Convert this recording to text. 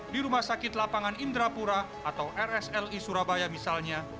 di rumah sakit lapangan indrapura atau rsli surabaya misalnya